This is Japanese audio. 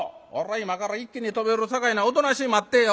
今から一気に飛び降りるさかいなおとなしい待ってぇよ」。